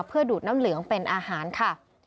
เพื่อดูดน้ำเหลืองเป็นอาหารค่ะ